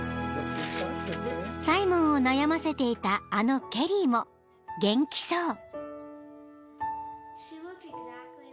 ［サイモンを悩ませていたあのケリーも元気そう］